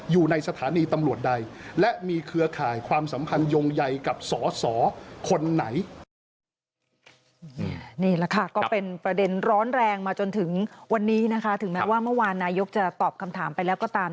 ถึงแม้ว่าเมื่อวานนายกจะตอบคำถามไปแล้วก็ตาม